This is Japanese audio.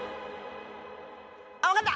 あ分かった！